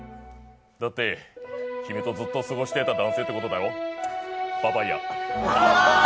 だって君とずっと過ごしてた男性ってことだろ、パパイヤ。